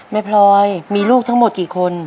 พลอยมีลูกทั้งหมดกี่คน